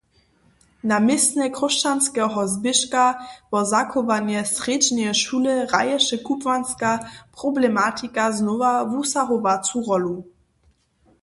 Na městnje Chróšćanskeho zběžka wo zachowanje srjedźneje šule hraješe kubłanska problematika znowa wusahowacu rólu.